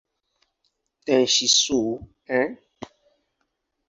Tenshi Sou, en.